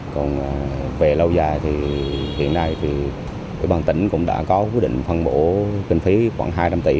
còn về lâu dài thì hiện nay thì quỹ ban tỉnh cũng đã có quyết định phân bổ kinh phí khoảng hai trăm linh tỷ